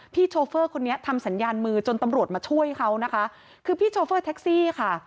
โชเฟอร์คนนี้ทำสัญญาณมือจนตำรวจมาช่วยเขานะคะคือพี่โชเฟอร์แท็กซี่ค่ะ